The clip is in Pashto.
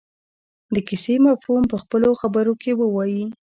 د کیسې مفهوم په خپلو خبرو کې ووايي.